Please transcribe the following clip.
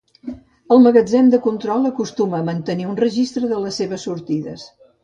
El magatzem de control acostuma a mantenir un registre de les seves sortides.